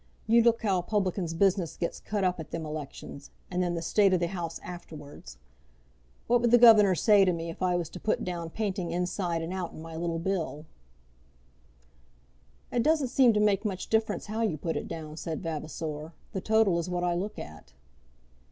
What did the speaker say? You look how a publican's business gets cut up at them elections; and then the state of the house afterwards! What would the governor say to me if I was to put down painting inside and out in my little bill?" "It doesn't seem to make much difference how you put it down," said Vavasor. "The total is what I look at."